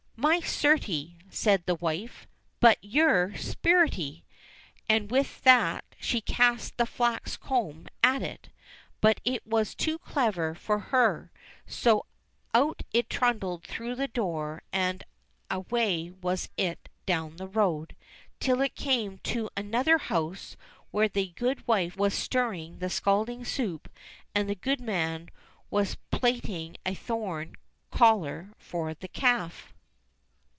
"My certy," says the wife, "but you're spirity!" And with that she cast the flax comb at it. But it was too clever for her, so out it trundled through the door and away was it down the road, till it came to another house where the good wife was stirring the scalding soup and the goodman was plaiting a thorn collar for the calf.